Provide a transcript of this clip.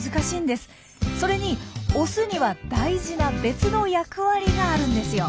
それにオスには大事な別の役割があるんですよ。